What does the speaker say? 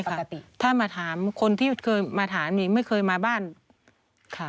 ปกติถ้ามาถามคนที่เคยมาถามนี่ไม่เคยมาบ้านค่ะ